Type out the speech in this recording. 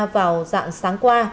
vào dạng sáng qua